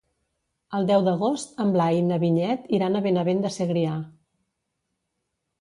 El deu d'agost en Blai i na Vinyet iran a Benavent de Segrià.